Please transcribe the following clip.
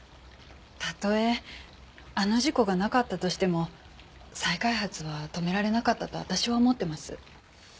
たとえあの事故がなかったとしても再開発は止められなかったと私は思ってます。